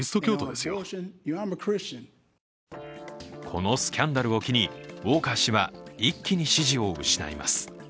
このスキャンダルを機にウォーカー氏は一気に支持を失います。